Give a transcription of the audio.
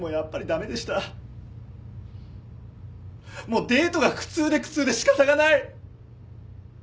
もうデートが苦痛で苦痛でしかたがない。